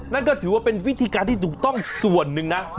นั่นก็ถือว่าเป็นวิธีการที่ถูกต้องส่วนหนึ่งนะ